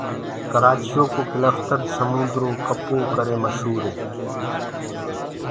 ڪرآچي يو ڪو ڪِلٽن سموندرو ڪنآرآ ڪرآ ڪري مشوُر هي۔